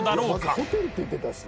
いまずホテルって言ってたし。